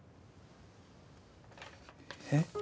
えっ？